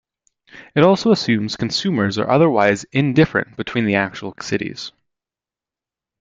It also assumes consumers are otherwise indifferent between the actual cities.